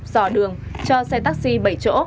dò đường cho xe taxi bảy chỗ